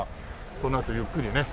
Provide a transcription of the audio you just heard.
このあとゆっくりね